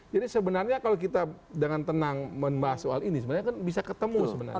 jadi sebenarnya kalau kita dengan tenang membahas soal ini sebenarnya kan bisa ketemu sebenarnya